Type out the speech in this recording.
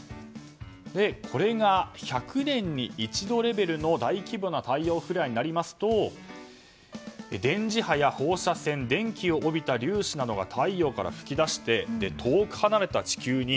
これが１００年に一度レベルの大規模な太陽フレアになると電磁波や放射線電気を帯びた粒子などが太陽から噴き出して遠く離れた地球に